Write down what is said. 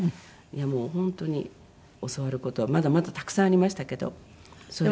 もう本当に教わる事はまだまだたくさんありましたけどそれは。